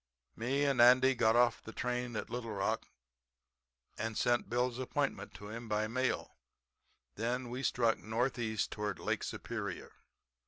"Me and Andy got off the train at Little Rock and sent Bill's appointment to him by mail. Then we struck northeast toward Lake Superior.